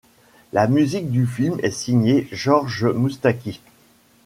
La musique du film est signée Georges Moustaki.